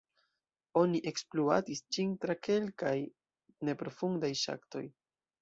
Oni ekspluatis ĝin tra kelkaj neprofundaj ŝaktoj.